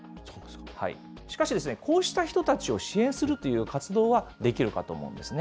しかし、こうした人たちを支援するという活動はできるかと思うんですね。